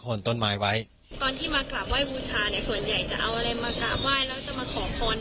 ตอนที่มากลับว่ายบูชาเนี่ยส่วนใหญ่จะเอาอะไรมากลับว่ายแล้วจะมาขอขอนเรื่องใด